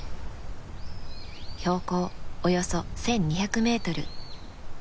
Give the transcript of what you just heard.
標高およそ１２００メートル。